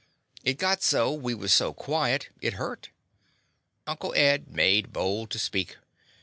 It got so we was so quiet it hurt. Uncle Ed made bold to speak.